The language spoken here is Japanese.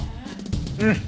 うん。